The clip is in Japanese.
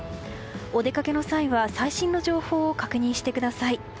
お出かけの際は最新の情報を確認してください。